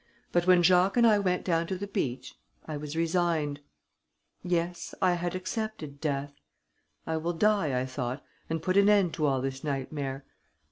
But when Jacques and I went down to the beach, I was resigned.... Yes, I had accepted death: 'I will die,' I thought, 'and put an end to all this nightmare!'...